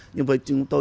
nhưng với chúng tôi